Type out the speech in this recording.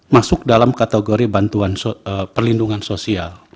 masuk dalam kategori bantuan perlindungan sosial